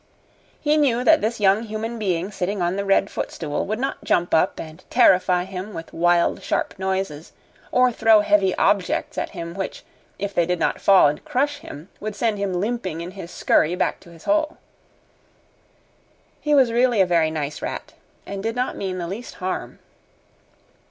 He knew that this young human being sitting on the red footstool would not jump up and terrify him with wild, sharp noises or throw heavy objects at him which, if they did not fall and crush him, would send him limping in his scurry back to his hole. He was really a very nice rat, and did not mean the least harm.